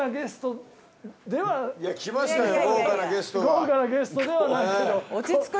豪華なゲストではないけど。